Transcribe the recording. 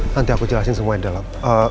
nanti aku jelasin semuanya dalam